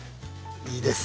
いいです。